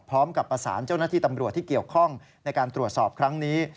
พร้อมกับประสานเจ้าหน้าที่ตำรวจที่เกี่ยวข้องในการตรวจสอบครั้งนี้